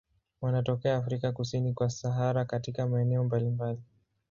Wanatokea Afrika kusini kwa Sahara katika maeneo mbalimbali.